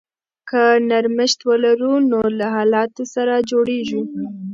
که نرمښت ولرو نو له حالاتو سره جوړیږو.